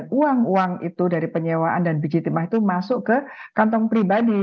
dan uang uang itu dari penyewaan dan biji timah itu masuk ke kantong pribadi